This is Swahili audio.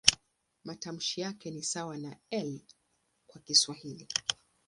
Matamshi yake ni sawa na "L" kwa Kiswahili.